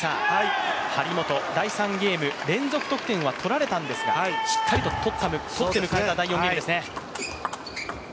張本、第３ゲーム、連続得点は取られたんですが、しっかりと取って迎えた第４ゲームですね。